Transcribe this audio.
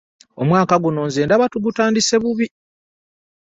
Omwaka guno nze ndaba tugutandise bubi.